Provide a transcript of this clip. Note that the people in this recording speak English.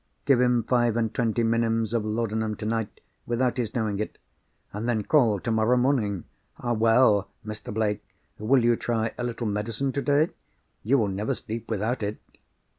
Give him five and twenty minims of laudanum tonight, without his knowing it; and then call tomorrow morning. 'Well, Mr. Blake, will you try a little medicine today? You will never sleep without it.